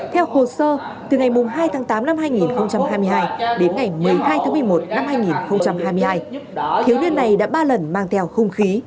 theo hồ sơ từ ngày hai tháng tám năm hai nghìn hai mươi hai đến ngày một mươi hai tháng một mươi một năm hai nghìn hai mươi hai thiếu niên này đã ba lần mang theo hung khí